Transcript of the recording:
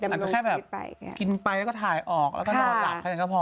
อาจจะแค่แบบกินไปแล้วก็ถ่ายออกแล้วก็นอนหลับแค่นั้นก็พอ